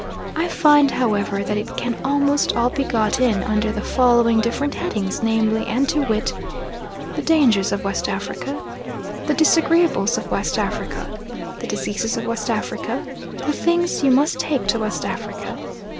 I find, however, that it can almost all be got in under the following different headings, namely and to wit: The dangers of West Africa. The disagreeables of West Africa. The diseases of West Africa. The things you must take to West Africa.